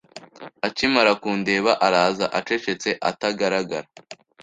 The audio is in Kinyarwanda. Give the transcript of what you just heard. Akimara kundeba araza Acecetse atagaragara